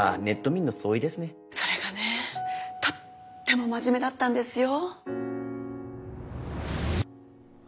それがねとっても真面目だったんですよ。